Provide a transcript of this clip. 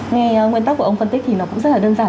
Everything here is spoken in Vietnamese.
nghe nguyên tắc của ông phân tích thì nó cũng rất là đơn giản